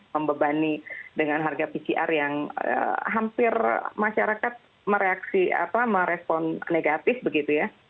membebani dengan harga pcr yang hampir masyarakat mereaksi apa merespon negatif begitu ya